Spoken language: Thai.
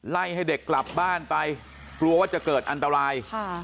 ให้เด็กกลับบ้านไปกลัวว่าจะเกิดอันตราย